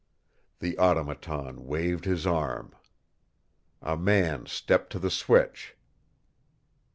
The Automaton waved his arm. A man stepped to the switch.